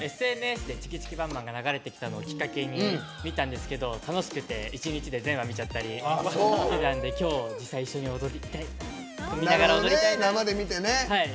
ＳＮＳで「チキチキバンバン」が流れてきたのをきっかけに見たんですけど楽しくて一日で全話見ちゃったりしてたんで今日、実際、一緒に踊りたいな。